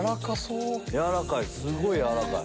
すごい軟らかい。